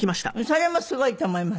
それもすごいと思います。